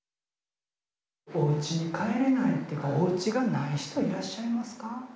おうちに帰れないおうちがない人いらっしゃいますか？